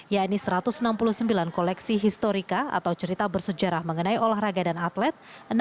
yakni satu ratus enam puluh sembilan koleksi historika atau cerita bersejarah mengenai olahraga dan atlet